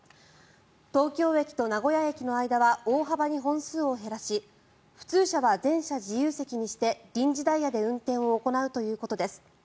東京駅と名古屋駅の間は大幅に本数を減らし普通車は全車自由席にして臨時ダイヤで運転を行うということです。